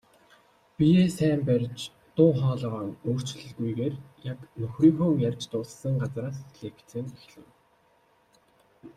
Биеэ сайн барьж, дуу хоолойгоо өөрчлөлгүйгээр яг нөхрийнхөө ярьж дууссан газраас лекцээ эхлэв.